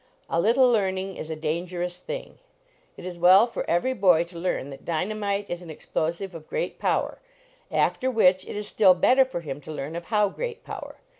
"A little learning is a dangerous thing." It is well for every boy to learn that dynamite is an explosive of great power, after which it is still better for him to learn of how great power.